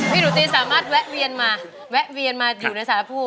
หนูตีสามารถแวะเวียนมาแวะเวียนมาอยู่ในสารภูมิ